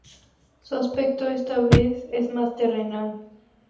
Su aspecto esta vez es más terrenal.